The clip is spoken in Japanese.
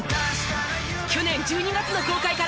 去年１２月の公開から。